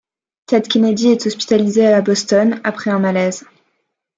Ted Kennedy est hospitalisé le à Boston après un malaise.